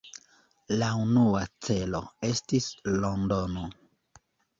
La unua celo estis Londono.